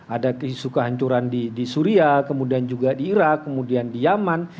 ada isu kehancuran di syria kemudian juga di irak kemudian di yaman